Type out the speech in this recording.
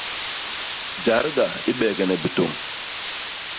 Jadga i beegene bitôñ.